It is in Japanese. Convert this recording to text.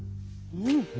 うん。